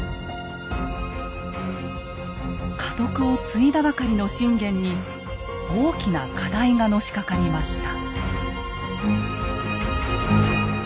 家督を継いだばかりの信玄に大きな課題がのしかかりました。